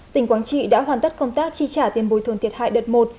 tỉnh quảng trị đã hoàn tất công tác chi trả tiền bồi thường thiệt hại đợt một